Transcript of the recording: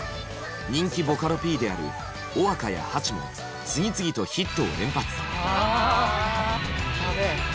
人気ボカロＰであるｗｏｗａｋａやハチも次々とヒットを連発。